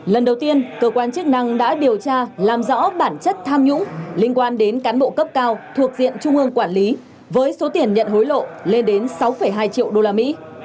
lần đầu tiên cơ quan chức năng đã điều tra làm rõ bản chất tham nhũng liên quan đến cán bộ cấp cao thuộc diện trung ương quản lý với số tiền nhận hối lộ lên đến sáu hai triệu đô la mỹ